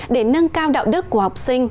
để nâng cao đạo đức của học sinh